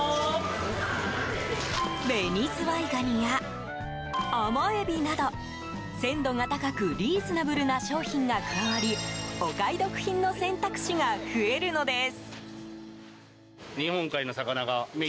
ベニズワイガニやアマエビなど鮮度が高くリーズナブルな商品が加わりお買い得品の選択肢が増えるのです。